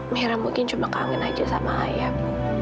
mira mungkin cuma kangen aja sama ayah